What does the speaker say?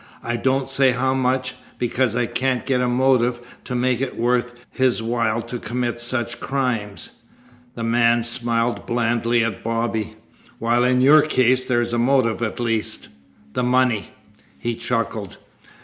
"I don't say how much, because I can't get a motive to make it worth his while to commit such crimes." The man smiled blandly at Bobby. "While in your case there's a motive at least the money." He chuckled.